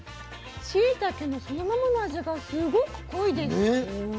しいたけのそのままの味がすごく濃いです。